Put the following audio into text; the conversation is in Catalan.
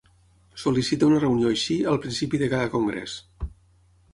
Sol·licita una reunió així al principi de cada Congrés.